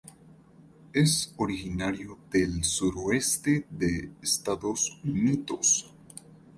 Es originario del sureste de Estados Unidos.